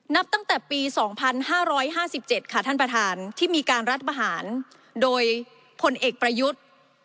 นับตั้งแต่ปี๒๕๕๗ค่ะท่านประธานที่มีการรัฐประหารโดยพลเอกประยุทธ์